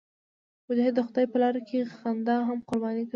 مجاهد د خدای په لاره کې خندا هم قرباني کوي.